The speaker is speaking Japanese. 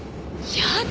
やだ！